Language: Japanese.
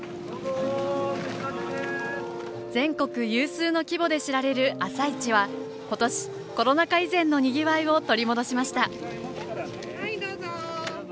全国有数の規模で知られる朝市は今年、コロナ禍以前のにぎわいを取り戻しました。